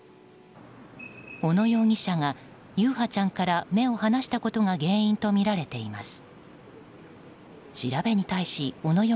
小野容疑者が優陽ちゃんから目を離したことが原因とみられています。